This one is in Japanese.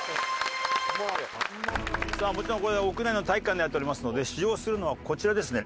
もちろんこれ屋内の体育館でやっておりますので使用するのはこちらですね。